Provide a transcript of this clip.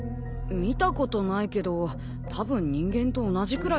見たことないけどたぶん人間と同じくらい。